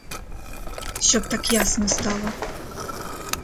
Щоб так ясно стало.